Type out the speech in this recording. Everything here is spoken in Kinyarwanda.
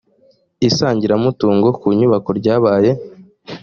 isangiramutugo ku nyubako ryabaye